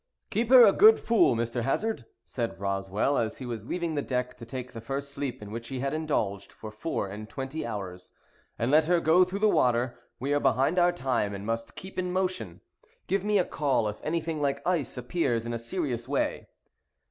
"Keep her a good full, Mr. Hazard," said Roswell, as he was leaving the deck to take the first sleep in which he had indulged for four and twenty hours, "and let her go through the water. We are behind our time, and must keep in motion. Give me a call if anything like ice appears in a serious way."